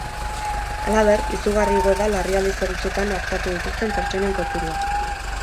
Halaber, izugarri igo da larrialdi zerbitzuetan artatu dituzten pertsonen kopurua.